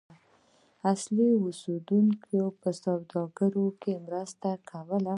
اصلي اوسیدونکو په سوداګرۍ کې مرسته کوله.